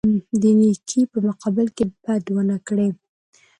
د نیکۍ په مقابل کې بد ونه کړي.